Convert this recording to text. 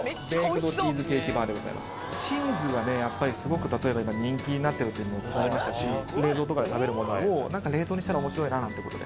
チーズがやっぱりすごく人気になってるというのもございましたし冷蔵とかで食べるものを冷凍にしたら面白いななんてことで。